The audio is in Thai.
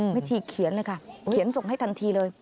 ชีเขียนเลยค่ะเขียนส่งให้ทันทีเลย